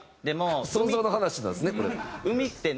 想像の話なんですねこれ。